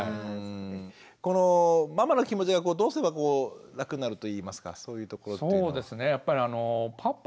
このママの気持ちがどうすれば楽になるといいますかそういうところっていうのは。